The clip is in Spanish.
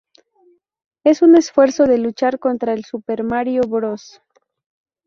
En un esfuerzo de luchar contra el "Super Mario Bros.